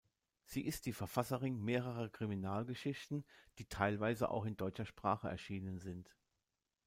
Sie ist die Verfasserin mehrerer Kriminalgeschichten, die teilweise auch in deutscher Sprache erschienen sind.